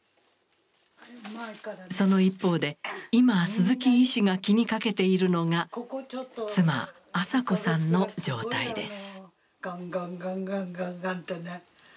その一方で今鈴木医師が気にかけているのが妻朝子さんの状態です。